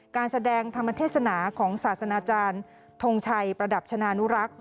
การแสดงธรรมเทศนาของศาสนาจารย์ทงชัยประดับชนะนุรักษ์